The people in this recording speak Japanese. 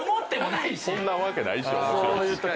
そんなわけないし面白いし。